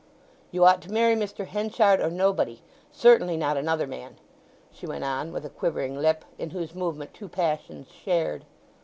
"You ought to marry Mr. Henchard or nobody—certainly not another man!" she went on with a quivering lip in whose movement two passions shared.